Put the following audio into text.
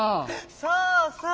そうそう。